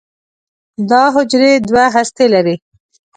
دا حجرې دوه هستې لري.